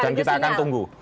dan kita akan tunggu